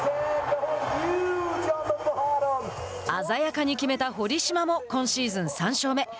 鮮やかに決めた堀島も今シーズン３勝目。